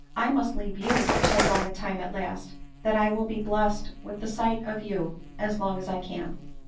" I must leave you for so long a time at last, that I will be blessed with the sight of you as long as I can."